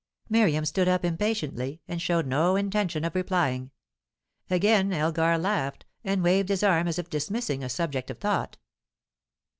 Miriam stood up impatiently, and showed no intention of replying. Again Elgar laughed, and waved his arm as if dismissing a subject of thought.